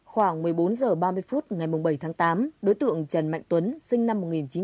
khoảng một mươi bốn h ba mươi phút ngày bảy tháng tám đối tượng trần mạnh tuấn sinh năm một nghìn chín trăm tám mươi